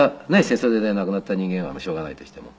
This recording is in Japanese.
戦争で亡くなった人間はしょうがないとしても。